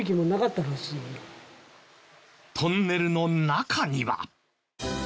トンネルの中には。